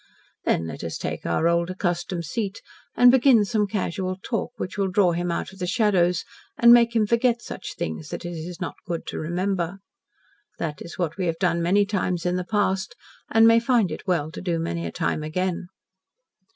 Then let us take our old accustomed seat and begin some casual talk, which will draw him out of the shadows, and make him forget such things as it is not good to remember. That is what we have done many times in the past, and may find it well to do many a time again.